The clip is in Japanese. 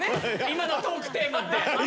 今のトークテーマって。